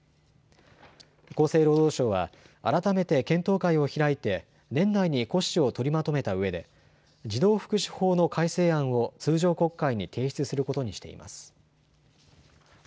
厚生労働省は改めて検討会を開いて年内に骨子を取りまとめたうえで児童福祉法の改正案を通常国会に提出することにしています。